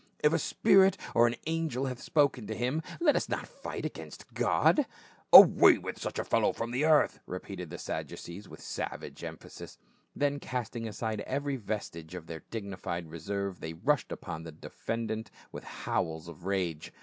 " If a spirit or an angel hath spoken to him, let us not fight against God !" "Away with such a fellow from the earth !" repeated the Sadducees with savage emphasis ; then casting aside every vestige of their dignified reserve they rushed upon the defendant with howls of rage.